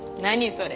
それ。